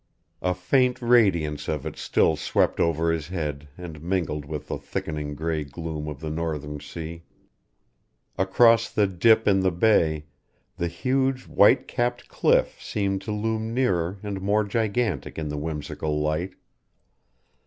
A faint radiance of it still swept over his head and mingled with the thickening gray gloom of the northern sea. Across the dip in the Bay the huge, white capped cliff seemed to loom nearer and more gigantic in the whimsical light.